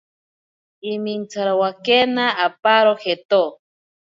Imintsarowakena aparo jeto.